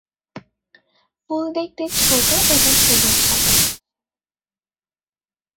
ফুল দেখতে ছোট এবং সবুজ-সাদা।